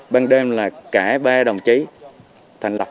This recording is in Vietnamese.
bên đêm là cả ba đồng chí thành lập